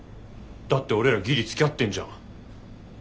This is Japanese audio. だって俺らギリつきあってんじゃん。